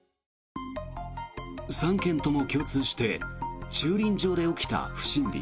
３件とも共通して駐輪場で起きた不審火。